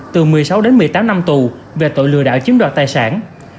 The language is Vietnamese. từ một mươi sáu đến một mươi tám năm tù về tội lừa đảo chiếm đoạt tài sản